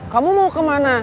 kamu mau kemana